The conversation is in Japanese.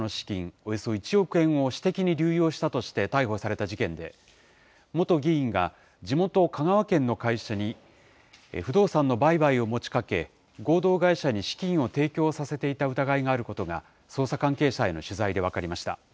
およそ１億円を私的に流用したとして逮捕された事件で、元議員が地元、香川県の会社に不動産の売買を持ちかけ、合同会社に資金を提供させていた疑いがあることが捜査関係者への取材で分かりました。